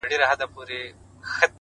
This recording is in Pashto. اوس به ورته ډېر !!ډېر انـتـظـار كوم!!